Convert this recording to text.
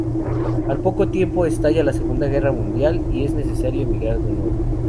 Al poco tiempo, estalla la Segunda Guerra Mundial y es necesario emigrar de nuevo.